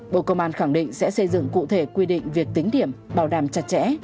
bộ công an khẳng định sẽ xây dựng cụ thể quy định việc tính điểm bảo đảm chặt chẽ